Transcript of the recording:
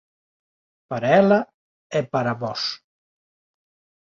para ela... e para Vós.